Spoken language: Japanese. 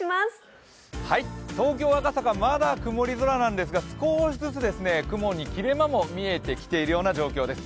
東京・赤坂、まだ曇り空なんですが少しずつ雲に切れ間も見てきているような状況です。